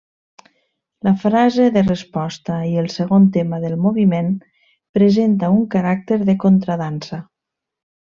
La frase de resposta i el segon tema del moviment presenta un caràcter de contradansa.